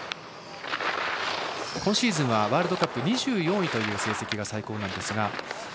今シーズンはワールドカップ２４位という成績が最高なんですが。